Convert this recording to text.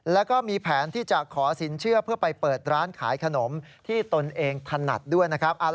แล้วก็มีแผนที่จะขอสินเชื่อเพื่อไปเปิดร้านขายขนมที่ตนเองถนัดด้วยนะครับ